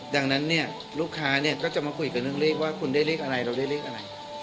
ดังนั้นเนี่ยลูกค้าก็จะมาคุยกันเรื่องเรียกว่าคุณได้เรียกอะไรเราได้เรียกอะไร